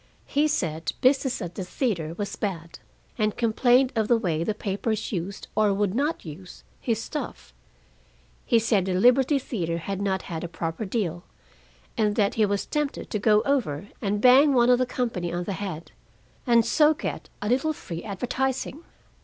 He said business at the theater was bad, and complained of the way the papers used, or would not use, his stuff. He said the Liberty Theater had not had a proper deal, and that he was tempted to go over and bang one of the company on the head, and so get a little free advertising.